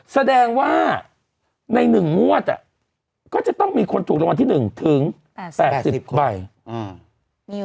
แสดงว่าใน๑งวดก็จะต้องมีคนถูกรางวัลที่๑ถึง๘๐ใบ